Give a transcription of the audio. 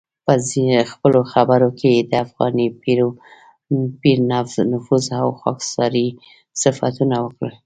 په خپلو خبرو کې یې د افغاني پیر نفوذ او خاکساري صفتونه وکړل.